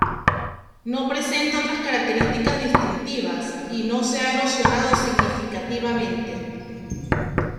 No presenta otras características distintivas, y no se ha erosionado significativamente.